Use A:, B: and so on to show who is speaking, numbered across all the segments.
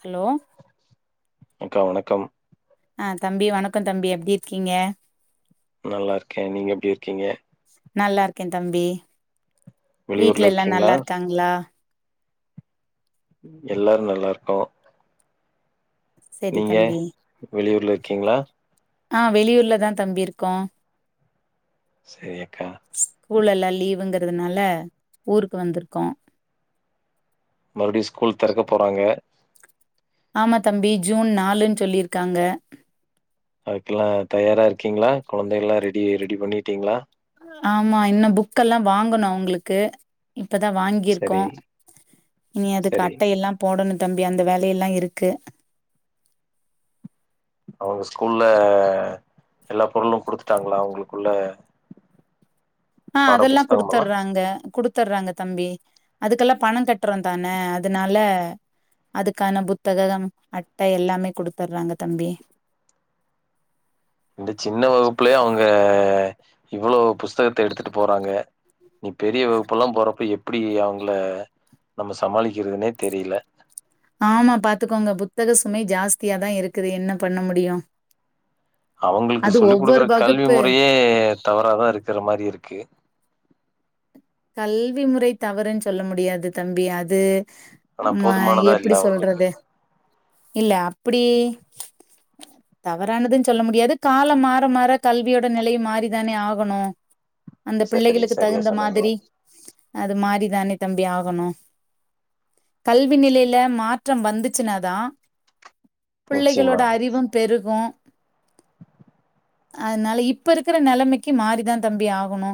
A: Hello
B: அக்கா வணக்கம்
A: அஹ் தம்பி வணக்கம் தம்பி எப்படி இருக்கீங்க
B: நல்லா இருக்கேன் நீங்க எப்படி இருக்கீங்க
A: நல்லா இருக்கேன் தம்பி
B: வெளியூர்ல
A: வீட்டு்ல எல்லாம்
B: இருக்கீங்களா
A: நல்லா இருக்காங்களா
B: எல்லாரும் நல்லா இருக்கோம்
A: செரி
B: நீங்க
A: தம்பி
B: வெளியூர்ல இருக்கீங்களா
A: ஆஹ் வெளியூர்லதான் தம்பி இருக்கோம்
B: சரி அக்கா
A: ஸ்கூல்லெல்லா லீவுங்றதுனால ஊருக்கு வந்ருக்கோ
B: மறுபடியு ஸ்கூல் திறக்க போறாங்க
A: ஆமா தம்பி ஜூன் நாலுன் சொல்லிருக்காங்க
B: அதுக்கெல்லா தயாரா இருக்கீங்ளா குழந்தைகள்லா ரெடி ரெடி பண்ணிட்டீங்ளா
A: ஆமா இன்னு புக்கெல்லா வாங்கணு அவங்களுக்கு இப்பதா வாங்கிருக்கோ
B: சரி
A: இனி அதுக்கு
B: சரி
A: அட்டையில்லா போடணு தம்பி அந்த வேலையெல்லா இருக்கு
B: அவங்க ஸ்கூல்ல எல்லா பொருளும குடுத்துட்டாங்ளா அவங்களுக்குள்ள
A: ஆ
B: பாட
A: அதெல்லா
B: புஸ்தகம் எல்லாம்
A: குடுத்தர்றாங்க குடுத்து த்துர்றாங்க தம்பி அதுக்கெல்லா பணோ கட்றோ தான அதனால அதுக்கான புத்தகம் அட்ட எல்லாமே குடுத்துட்றாங்க தம்பி
B: இந்த சின்ன வகுப்புலே அவங்க இவ்ளோ புஸ் புத்தகத்த எடுத்துட்டு போறாங்க நீ பெரிய வகுப்புலா போறப்ப எப்ப எப்டி அவங்கள நம்ம சமாளிக்கறதுனே தெரில
A: ஆமா பாத்துக்கோங்க புத்தக சுமை ஜாஸ்தியாதா இருக்குது என்ன பண்ண முடியு
B: அவங்களுக்கு சொல்லி குடுக்குற கல்வி முறையே தவறாதா இருக்குற மாரி இருக்கு
A: கல்வி முறை தவறுன் சொல்ல முடியாது தம்பி அது
B: ஆனா
A: அது ம
B: போதுமானதா இல்ல
A: எப்டி
B: அவங்களுக்கு
A: சொல்றது இல்ல அப்டி தவறானதுன் சொல்ல முடியாது கால மாற மாற கல்வியோட நெலையு மாறிதானே ஆகணு அந்த
B: சரி
A: பிள்ளைகளுக்கு
B: சரியா
A: தகுந்த
B: சொன்னீங்க
A: மாதிரி அது மாரிதானே தம்பி ஆகணு கல்வி நிலைல மாற்றம் வந்துச்சுனாதா
B: நிச்சயமா
A: பிள்ளைகளோட அறிவும் பெரு கு அதனால இப்ப இருக்ற நெலமைக்கு மாறிதான் தம்பி ஆகணு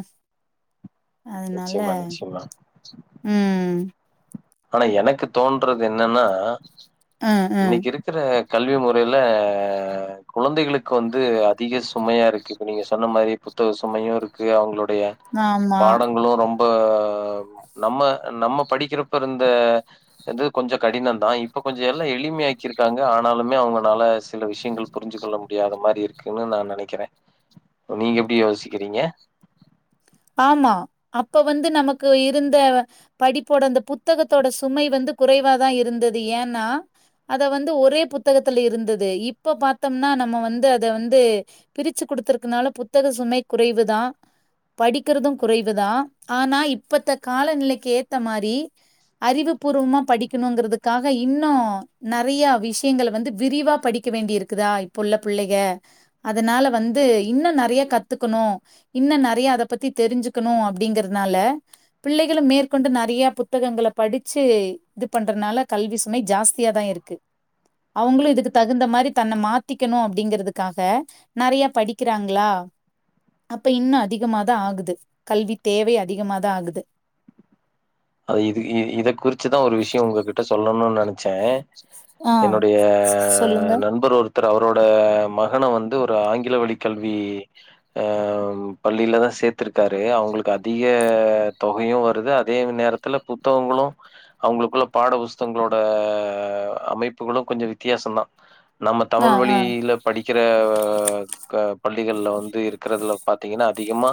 A: அதனால
B: நிச்சயமா நிச்சயமா
A: ம்
B: ஆனா எனக்கு தோன்றது என்னன்னா
A: ம், ம்.
B: இன்னைக்கு இருக்கற கல்வி முறைல குழந்தைகளுக்கு வந்து அதிக சுமைய இருக்கு இப்ப நீங்க சொன்ன மாரி புத்தக சுமையு இருக்கு அவங்களோட டைய
A: ஆமா
B: பாடங்களும் ரொம்ப ப்ப நம்ம நம்ம படிக்கிறப்ப ப்ப இருந்த இது கொஞ்சம் கடின தா இப்ப கொஞ்சோ எல்லா எளிமையாக்கிருக்காங்க ஆனாலுமே அவங்களால சில விஷயங்கள் புரிஞ்சு கொள்ள முடியாத மாரி இருக்குன் நா நெனைக்கிறே நீங்க எப்டி யோசிக்கிறீங்க
A: ஆமா அப்ப வந்து நமக்கு இருந்த படிப்போட அந்த புத்தகத்தோட சுமை வந்து குறைவா தா இருந்தது ஏன்னா அத வந்து ஒரே புத்தகத்துல இருந்தது இப்ப பாத்தம்னா நம்ம வந்து அத வந்து பிரிச்சு குடுத்திருக்குனால புத்தக சுமை குறைவுதா படிக்கறது குறைவுதா ஆனா இப்பத்த காலநிலைக்கு ஏத்த மாரி அறிவுபூர்வமா படிக்கணுங்கிறதுக்காக இன்னு நறையா விஷயங்க வந்து விரிவா படிக்க வேண்டி இருக்குதா இப்புள்ள புள்ளைங்க அதனால வந்து இன்னு நறைய கத்துக்கணு இன்னு நறைய அத அத பத்தி தெரிஞ்சுக்கணு அப்டிங்றதுனால பிள்ளைகலு மேற்கொண்டு நறைய புத்தகங்கள படிச்சு இது பண்றதுனால கல்வி சுமை ஜாஸ்தியாதா இருக்கு அவங்களு இதுக்கு தகுந்த மாரி தன்ன மாத்திக்கணு அப்படிங்கதுக்காக நிறைய படிக்கிறாங்களா அப்ப இன்னும் அதிகம ஆகுது கல்வி தேவை அதிகமாதா ஆகுது
B: அது இது இத குறிச்சுதா ஒரு விஷயம் உங்ககிட்ட சொல்லணுனு நெனைச்சே
A: ஆ
B: என்னுடைய
A: ஸ்- சொல்லுங்க.
B: நண்பர் ஒரு அவரோட மகனை வந்து ஒரு ஆங்கில வழி கல்வி பள்ளியில தான் சேர்த்திருக்காரு அவங்களுக்கு அதிக தொகையும் வருது அதே நேரத்தில் த்துல புத்தகங்களும் அவங்களுக்குள்ள பாட புஸ்தகங்களோட அமைப்புகளும் கொஞ்சம் வித்தியாசம் தான் நம்ம
A: ஆ
B: தமிழ்
A: ஆ
B: வழியில படிக்க இருக்கிற பள்ளிகளல வந்து இருக்கறதுல பார்த்தீங்கன்னா அதிகமா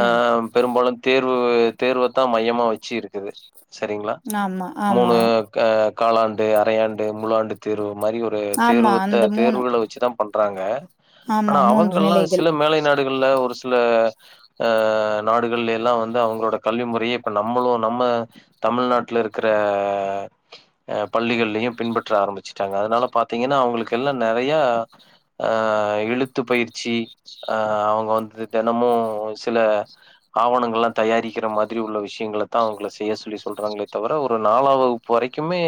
A: ம்
B: பெரும்பாலும் தேர்வு தேர்வைத்தான் மையமாக வச்ச இருக்குது சரிங்களா
A: ஆமா
B: மூணு
A: ஆமா
B: காலாண்டு அரையாண்டு முழுஆண்டு தேர்வு மாதிரி ஒரு
A: ஆமா
B: தேர்வுத்தை
A: அந்த
B: தேர்வுகளை வச்சுதான் பண்றாங்க
A: ஆமா
B: ஆனா அவங்கெல்லாம்
A: நிலைகள்.
B: சில மேலை நாடுகள் ஒரு சில நாடுகள் எல்லாம் வந்து அவங்களோட கல்வி முறையை இப்ப நம்ம நம்மளும் நம்ம தமிழ்நாட்டல இருக்கிற பள்ளிகள்லையும் பின்பற்ற ஆரம்பிச்சுட்டாங்க அதனால பார்த்தீங்கன்னா அவங்களுக்கு எல்லாம் நிறையஹ எழுத்து பயிற்சி ஆஹ அவங்க வந்து தினமும் சில ஆவணங்களெல்லாம் தயாரிக்கிற மாதிரி உள்ள விஷய அவங்க செய்ய சொல்லி சொல்றாங்களே தவிர ஒரு நாலாம் வகுப்பு வரைக்குமே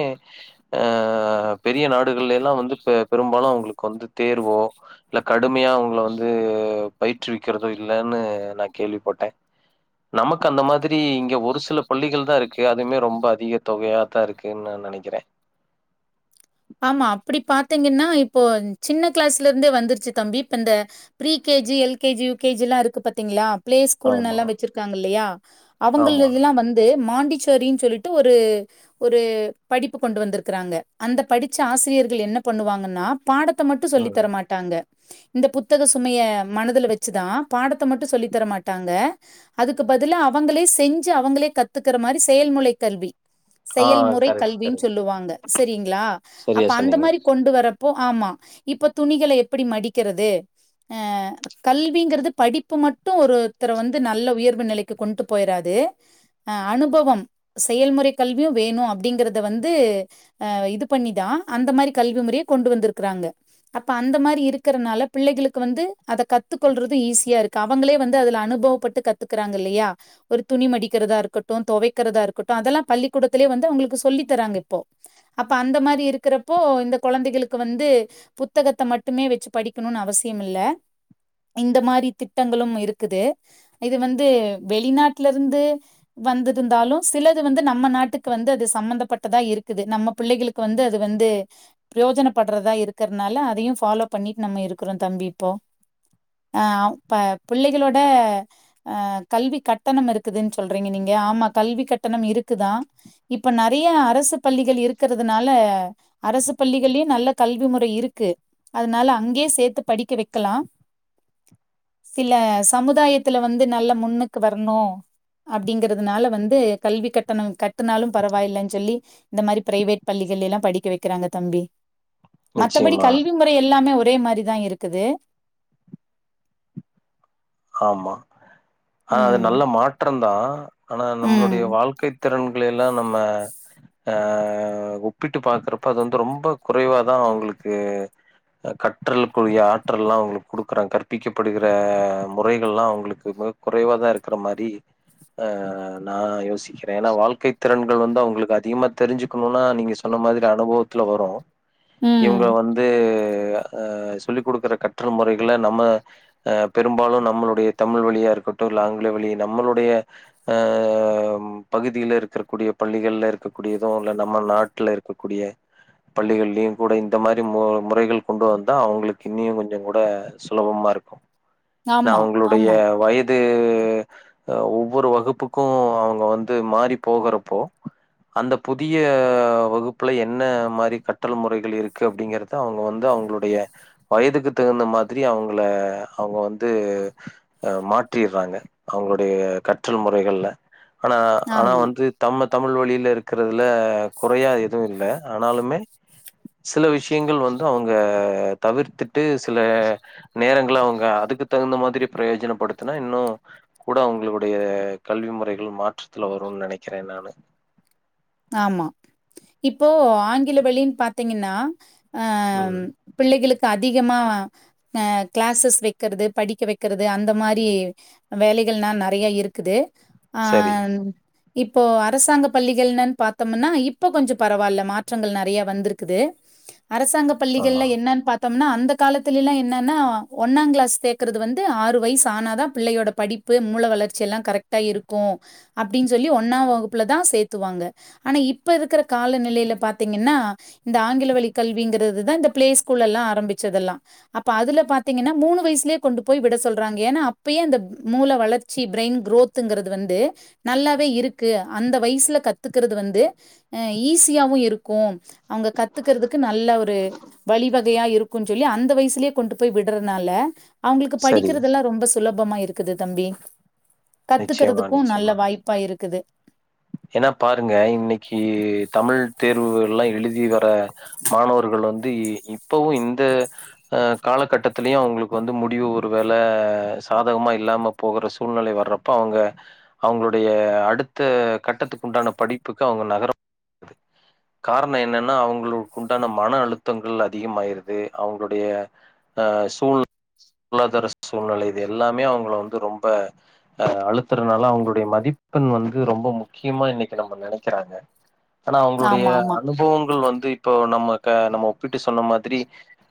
B: ஹ பெரிய நாடுகள்ல எல்லாம் வந்து பெரும்பாலும் அவங்களுக்கு வந்து தேர்வோ இல்ல கடுமையா அவங்கள வந்து பயிற்றுவிக்கிறதோ இல்லைன்னு நான் கேள்விப்பட்டேன் நமக்கு அந்த மாதிரி இங்க ஒரு சில பள்ளிகள் தான் இருக்கு அதுமே ரொம்ப அதிக தொகையாதான் இருக்குன்னு நான் நினைக்கிறேன்
A: ஆமா அப்படி பாத்தீங்கன்னா இப்போ சின்ன கிளாஸ்ல இருந்தே வந்துருச்சு தம்பி இப்ப இந்த பரீ கேஜி எல்கேஜி யுகேஜி எல்லாம் இருக்கு பார்த்தீங்களா பிளே ஸ்கூல்
B: ஆமா
A: எல்லாம் வச்சிருக்காங்க இல்லையா அவங்க
B: ஆமா
A: இதெல்லாம் வந்து மாண்டிச்சோரினு சொல்லிட்டு ஒரு ஒரு படிப்பு கொண்டு வந்திருக்கிறாங்க அந்த படித்த ஆசிரியர்கள் என்ன பண்ணுவாங்கன்னா பாடத்தை மட்டும்
B: ம்
A: சொல்லித்தரமாட்டாங்க இந்த புத்தக சுமைய மனதுல வச்சுதான் பாடத்தை மட்டும் சொல்லி தரமாட்டாங்க அதுக்கு பதிலா அவங்களே செஞ்சு அவங்களே கத்துக்கிற மாதிரி செயல்முறை கல்வி
B: ஆ
A: செயல்முறை
B: கரெக்ட்
A: கல்வின்னு
B: கரெக்ட்
A: சொல்லுவாங்க சரிங்களா அப்ப
B: சரியா
A: அந்த
B: சொன்னீங்க
A: மாரி கொண்டு வரப்போ ஆமா இப்ப துணிகள எப்டி மடிக்கறது அஹ் கல்விங்கிறது படிப்பு மட்டு ஒருத்தர வந்து நல்ல உயர்வு நெலைக்கு கொண்டு போய்றாது அனுபவம் செயல்முறை கல்வியும் வேணும் பண்ணிதான் அந்த மாதிரி கல்வி முறைய கொண்டு வந்துருக்காங்க அப்ப அந்த மாரி இருக்கறதனாலே பிள்ளைகளுக்கு வந்து அத கத்து கொள்றது ஈசியா இருக்கு அவுங்களே வந்து அதுல அனுபவப்பட்டு கத்துக்கறாங்கல்லயா ஒரு துணி மடிக்கறதா இருக்கட்டும் தொவைக்கறதா இருக்கட்டும் அதெல்லா பள்ளிக்கூடத்திலே வந்து அவுங்களுக்கு சொல்லி தராங்க இப்போ அப் இப்ப அந்த மாதிரி இருக்கறப்போ இந்த கொழந்தைகளுக்கு வந்து புத்தகத்த மட்டுமே வச்சு படிக்கணும்னு அவசியம் இல்லே இந்த மாதிரி திட்டங்களும் இருக்குது இது வந்து வெளிநாட்டுல இருந்து வந்திருந்தாலும் சிலது வந்து நம்ம நாட்டுக்கு வந்து அது சம்மந்தப்பட்டதா இருக்குது நம்ம புள்ளைகளுக்கு வந்து அது வந்து ப்ரோஜன படறதா இருக்கறதுனாலே அதையும் ஃபாலோ பண்ணிட்டு நம்ம இருக்கறோம் தம்பி இப்போ ஆ ப புள்ளைகளோட அஹ் கல்வி கட்டணம் இருக்குதுன்னு சொல்றீங்க நீங்க ஆமா கல்வி கட்டணம் இருக்குதா இப்ப நெறய அரசு பள்ளிகள் இரு க்கறதுனால அரசு பள்ளிகள்லயுயம் நல்ல கல்வி முறை இருக்கு அதனால அங்கே சேத்து படிக்க வைக்கலாம் சில சமுதாயத்துல வந்து நல்ல முன்னுக்கு வரணு அப்டிங்கிறதுனால வந்து கல்வி கட்டணம் கட்டுனாலும் பரவாயில்லைன்னு சொல்லி இந்த மாதிரி ப்ரைவேட் பள்ளிகள்லே எல்லாம் படிக்க வைக்கறாங்க தம்பி மத்தபடி
B: நிச்சயமா
A: கல்வி முறை எல்லாமே ஒ ஒரே மாதிரி தான் இருக்குது
B: ஆமா ஆஹ் அது
A: ம்
B: நல்ல மாற்றம் தா ஆனா நம்மளுடைய
A: ம்
B: வாழக்கை திறன்களை எல்லா நம்ம ஆஹ் ஒப்பிட்டு பாக்குறப்ப அது வந்து ரொம்ப குறைவாதா அவுங்களுக்கு கற்றல்குரிய ஆற்றெல்லா அவுங்களுக்கு கொடுக்குறாங்க கற்பிக்கப்படுகிற முறைகள் எல்லா அவுங்களுக்கு மிக குறைவா தா இருக்கற மாதிரி ஆஹ் நா யோசிக்கிற ஏன்னா வாழ்க்கை திறன்கள் வந்து அவுங்களுக்கு அதிகமா தெரிஞ்சுக்கணும்னா நீங்க சொன்ன மாதிரி அனுபவத்துல வரும்
A: ம்
B: இவுங்க வந்து அஹ் அஹ் சொல்லி குடுக்குற கற்று முறைகள நம்ம அஹ் பெரும்பாலு நம்மளுடைய தமிழ் வழியா இருக்கட்டு இல்ல ஆங்கில வழி நம்மளுடைய அஹ் உம் பகுதில இருக்றக்கூடிய பள்ளிகள்ல இருக்கக்கூடியது இல்ல நம்ம நாட்ல இருக்கக்கூடிய பள்ளிகள்லயு கூட இந்த மாரி மு முறைகள் கொண்டு வந்தா அவுங்களுக்கு இன்னியு கொஞ்சங் கூட சுலபமா இருக்கு நா
A: ஆமா
B: அவ்ங்ளுடைய
A: ஆமா
B: வயது அஹ் ஆஹ் ஒவ்வொரு வகுப்புக்கு அவுங்க வந்து மாறி போகறப்போ அந்த புதிய வகுப்புல என்ன மாரி கற்றல் முறைகள் இருக்கு அப்டிங்கறத அவ்ங்க வந்து அவ்ங்களுடைய வயதுக்கு தகுந்த மாதிரி அவ்ங்கள அவ்ங்க வந் து அஹ் மாற்றிறாங்க அவ்ங்களுடைய கற்றல் முறைகள்ல ஆனா ஆனா
A: ஆமா
B: வந்து தம்ம தமிழ் வழில இருக்றதுல குறையா எதுவு இல்ல ஆனாலுமே சில விஷ்யங்கள் வந்து அவ்ங்க தவிர்த்திட்டு சில நேரங்கள்ல அவ்ங்க அதுக்கு தகுந்த மாதிரி ப்ரேஜனப்படுத்துனா இன்னு கூட அவ்ங்களுடைய கல்வி முறைகள் மாற்றத்துல வருன் நெனைக்கிறே நானு
A: ஆமா இப்போ ஆங்கில வழின் பாத்தீங்கனா ஆஹ்ம்
B: ம்
A: பிள்ளைகளுக் கு அதிகமா ஆஹ் க்ளாஸஸ் வெக்கற்து படிக்க வெக்கறது அந்த மாரி வேலைகள்னா நெறையா இருக்குது
B: சரி
A: ஆஹ்ம் இப்போ அரசாங்க பள்ளிகள் நன் பாத்தோமுனா இப்ப கொஞ்சொ பரவால்ல மாற்றங்கள் நெறைய வந்துருக்குது அரசாங்க பள்ளிகள்ல
B: ஆமா
A: என்னன் பாத் தோம்னா அந்த காலத்துலலா என்னன்னா ஒன்னாங் க்ளாஸ் சேக்கறது வந்து ஆறு வயசு ஆனாதா பிள்ளையோட படிப்பு மூல வளர்ச்சி எல்லா கரெக்டா இருக்கு அப்டின் சொல்லி ஒன்னா வகுப்புல தா சேத்துவாங்க ஆனா இப்ப இருக்குற காலநிலைல பாத்தீங்கனா இந்த ஆங்கில வழி கல்விங்கிறதுதா இந்த ப்ளே ஸ்கூல்லெல்லா ஆரம்பிச்சதெல்லா அப்ப அதுல பாத்தீங்கனா மூணு வயசுலே கொண்டு போய் விட சொல்றாங்க ஏனா அப்பயே அந்த ம் மூல வளர்ச்சி ப்ரெயின் க்ரோத்துங்கிறது வந்து நல்லாவே இருக்கு அந்த வயசுல கத் துக்கறது வந்து அஹ் ஈஸியாவு இருக்கு அவ்ங்க கத்துக்கறதுக்கு நல்ல ஒரு வழிவகையா இருக்குன் சொல்லி அந்த வயசுலே கொண்டு போய் விட்றதுனால அவ்ங்களுக்கு
B: சரி.
A: படிக்கிறதுலா ரொம்ப சு சுலபமா இருக்குது தம்பி
B: நிச்சயமா,
A: கத்துக்கறதுக்கு நல்ல வாய்ப்பா இருக்குது
B: ஏனா பாருங்க இன்னக்கி தமிழ் தேர்வுகளெல்லா எழுதி வர மாணவர்கள் வந்து இ இப்பவு இந்த அஹ் காலகட்டத்லயு அவ்ங்களுக்கு வந்து முடிவு ஒரு வேள சாதகமா இல்லாம போற சூழ்நிலை வர்றப்ப அவ்ங்க அவ்ங்களுடைய அடுத்த கட்டத்துக்குண்டான படிப்புக்கு அவ்ங்க நகரத்துக் காரண என்னன்னா அவ்ங்ளுக்குண்டான மன அழுத்தங்கள் அதிகமாயிருது அவ்ங்களுடைய அஹ் சூழ் லோஜரஸ்ட் சூழ்நிலை இது எல்லாமே அவ்ங்கள வந்து ரொம்ப அஹ் அழுத்துறனால அவ்ங்களுடைய மதிப்பெண் வந்து ரொம்ப முக் கியமா இன்னைக்கு நம்ம நெனைக்கிறாங்க ஆனா அவ்ங்களுடைய
A: ஆமா ஆமா
B: அனுபவங்கள் வந்து இப்போ நம்ம இப்ப ஏ நம்ம ஒப்பிட்டு சொன்ன மாதிரி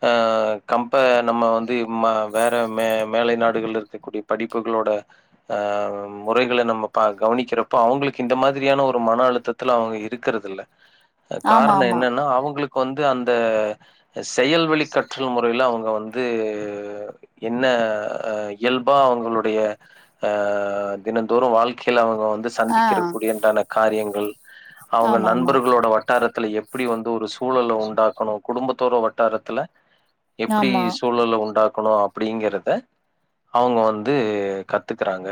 B: அஹ் கம்பேர் நம்ம வந்து இம்மற வேற மே மேலை நாடுகள்ல இருக்கக்கூடிய படிப்புகளோட ஆஹ் முறைகள நம்ம ப கவனிக்கிறப்போ அவ்ங்களுக்கு கிந்த மாதிரியான ஒரு மன அழுத்தத்துல அவ்ங்க இருக்குறதில்ல அஹ்
A: ஆமா
B: காரண
A: ஆமா
B: என்னன்னா அவ்ங்களுக் கொந்து அந்த அஹ் செயல்வழி கற்றல் முறைல அவ்ங்க வந் ந்து என்ன அஹ் இயல்பா அவங்களுடைய ஆஹ் தினந்தோறு வாழ்க்கைல அவ்ங்க வந் ந்து
A: ஆ
B: சந்திக்கிறப் குடியண்டான காரியங் உம் அவ்ங்க
A: ஆமா ஆமா
B: நண்பர்களோட வட்டாரத் துல எப்புடி வந்து ஒரு சூழல உண்டாக்கணு குடும்பத்தோர வட்டாரத்துல எப்டி
A: ஆமா
B: சூழல உண்டாக்கணு அப் ப்டிங்கிறத அவ்ங்க வந்து கத்துக்குறாங்க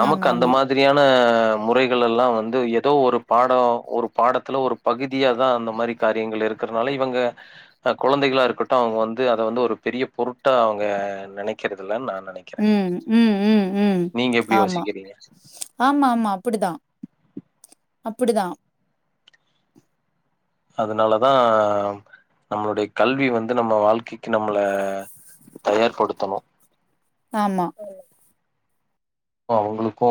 B: நமக்கு
A: ஆமா
B: அந்த
A: ஆமா
B: மாத்ரியான முறைகள் எல்லா வந்து எதோ ஒரு பாடோ ஒரு பாடத்துல ஒரு பகுதியாாதா அந்த மாதுரி காரியங்கள் இருக்கறனால இவங்க் குழந்தைகளா இருக்கட்டு அவங்க வந்து அத வந்து ஒரு பெரிய பொருட்டா அவங்க நெனக்கிறதுலன் நா
A: ம் ம் ம் ம்
B: நீங்க எப்டி
A: ஆமா
B: யோசிக்கிறீங்க?
A: ஆமா ஆமா அப்புடிதா அப்புடிதா
B: அதுனாலதா நம்மளுடைய கல்வி வந்து நம்ம வாழ்க்கைக்கு நம்மள தயார் படுத்தணு
A: ஆமா
B: அவங்ளுக்கு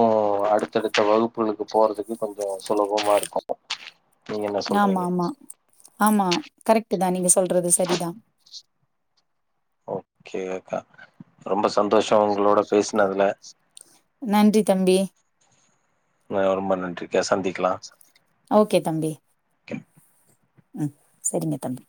B: அடுத்தடுத்த வகுப்புகளுக்கு போறதுக்கு கொஞ்சோ சொலபமா இருக்கு
A: யாமாமா ஆமா கரெக்ட்டுதா நீங்க சொல்றது சரிதா
B: ஓகே அக்கா ரொம்ப சந்தோஷோ உங்ளோட பேஸ்னதுல
A: நன்றி தம்பி
B: அ ரொம்ப நன்றிக்கா சந்திக்கலா
A: ஓகே தம்பி ம் செரிங்க தம்பி